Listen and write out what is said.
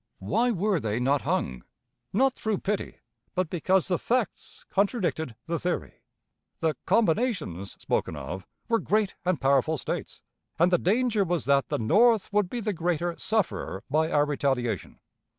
Why were they not hung? Not through pity, but because the facts contradicted the theory. The "combinations" spoken of were great and powerful States, and the danger was that the North would be the greater sufferer by our retaliation.